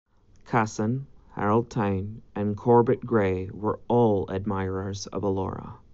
Casson, Harold Town, and Corbett Gray were all admirers of Elora.